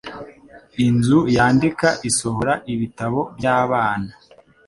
Inzu yandika isohora ibitabo by'abana,